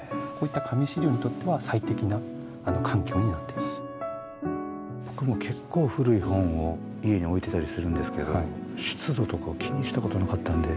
いろいろな僕も結構古い本を家に置いてたりするんですけど湿度とかを気にしたことなかったんで。